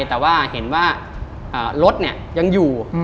แต่ว่าเห็นว่ารถยังอยู่